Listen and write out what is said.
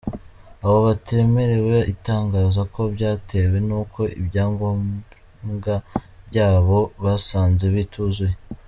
Abo batemerewe atangaza ko byatewe n’uko ibyangombya byabo basanze bituzuye.